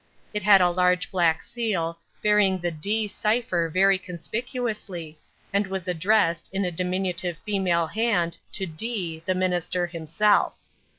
It had a large black seal, bearing the D—— cipher very conspicuously, and was addressed, in a diminutive female hand, to D——, the minister, himself.